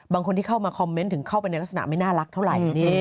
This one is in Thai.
คนที่เข้ามาคอมเมนต์ถึงเข้าไปในลักษณะไม่น่ารักเท่าไหร่